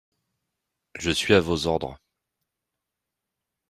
Je suis à vos ordres.